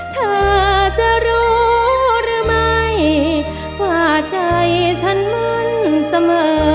เธอจะรู้หรือไม่ว่าใจฉันมั่นเสมอ